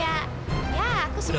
ya aku suka